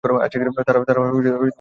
তাঁরা সকলে একত্রিত হলেন।